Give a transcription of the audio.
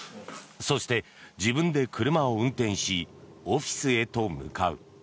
そして、自分で車を運転しオフィスへと向かう。